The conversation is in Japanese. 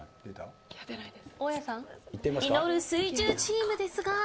祈る水１０チームですが。